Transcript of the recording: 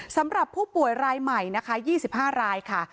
สำหรับผู้ป่วยรายใหม่นะคะยี่สิบห้ารายค่ะ